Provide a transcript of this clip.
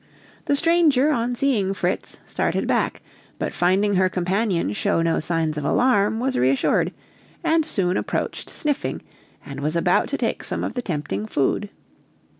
The stranger, on seeing Fritz, started back; but finding her companion show no signs of alarm, was reassured, and soon approached sniffing, and was about to take some of the tempting food.